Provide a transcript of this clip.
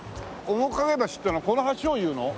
面影橋っていうのはこの橋を言うの？